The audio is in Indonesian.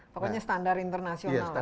pokoknya standar internasional